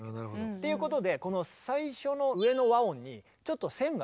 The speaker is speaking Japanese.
っていうことでこの最初の上の和音にちょっと線が引っ張ってある。